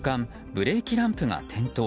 ブレーキランプが点灯。